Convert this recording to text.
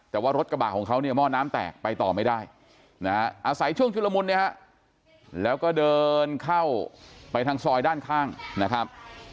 แต่ว่ารถกระบะของเขาเนี่ยหม้อน้ำแตกไปต่อไม่ได้อาศัยช่วงชุลมุนเนี่ยฮะแล้วก็เดินเข้าไปทางซอยด้านข้างนะครับ